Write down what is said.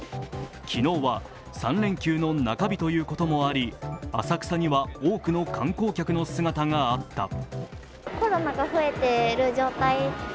昨日は３連休の中日ということもあり浅草には多くの観光客の姿があった。